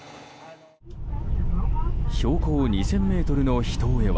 標高２０００ｍの秘湯へは